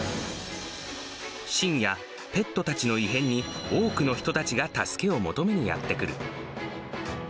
深夜、ペットたちの異変に多くの人たちが助けを求めにやって来る。